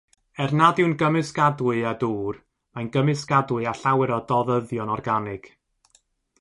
Er nad yw'n gymysgadwy â dŵr, mae'n gymysgadwy â llawer o doddyddion organig.